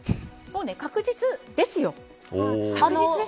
もう確実ですよ。